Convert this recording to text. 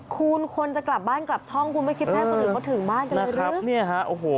คุณควรจะกลับบ้านกลับช่องคุณไม่คิดว่าคนอื่นก็ถึงบ้านกันเลยหรือ